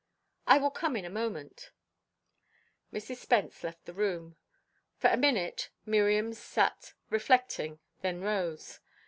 "I will come in a moment." Mrs. Spence left the room. For a minute Miriam sat reflecting, then rose.